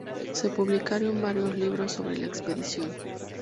Se publicaron varios libros sobre la expedición.